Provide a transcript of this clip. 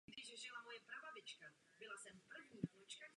Více automobilů a kamionů by mělo jezdit na bioplyn.